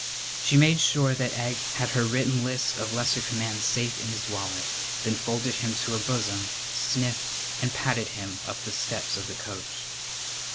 She made sure that Egg had her written list of lesser commands safe in his wallet, then folded him to her bosom, sniffed, and patted him up the steps of the coach.